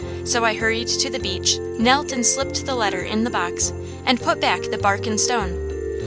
So I hurried to the beech, knelt and slipped the letter in the box, and put back the bark and stone.